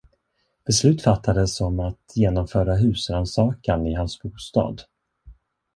Beslut fattades om att genomföra husrannsakan i hans bostad.